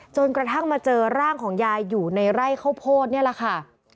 จนกระทั่งมาเจอร่างของยายอยู่ในไร่ข้าวโพดนี่แหละค่ะ